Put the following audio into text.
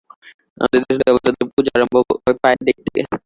আমাদের দেশে দেবতাদের পূজো আরম্ভ হয় পায়ের দিক থেকে।